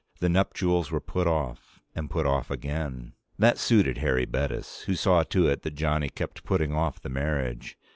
The nuptials were put off, and put off again. This suited Harry Bettis, who saw to it that Johnny kept putting off the marriage.